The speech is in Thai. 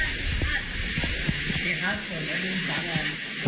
มีโดยมีโดยมี